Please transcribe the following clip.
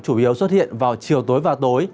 chủ yếu xuất hiện vào chiều tối và tối